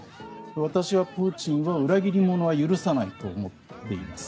私はプーチンは裏切り者は許さないと思ってます。